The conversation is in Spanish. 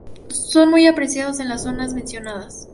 Son muy apreciados en la zona mencionada.